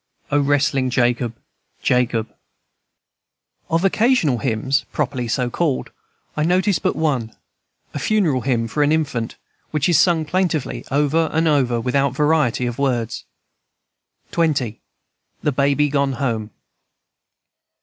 O wrestlin' Jacob, Jacob," &c. Of "occasional hymns," properly so called, I noticed but one, a funeral hymn for an infant, which is sung plaintively over and over, without variety of words. XX. THE BABY GONE HOME.